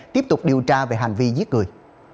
tiếp tục điều tra về hành vi giết người